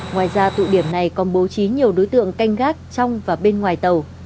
ngoài ra tụ điểm này còn bố trí nhiều đối tượng canh gác trong và bên ngoài tàu